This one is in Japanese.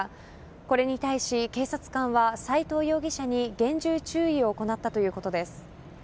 これに対し警察官は斉藤容疑者に厳重注意を行ったということです。